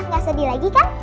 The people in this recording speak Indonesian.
enggak sedih lagi kan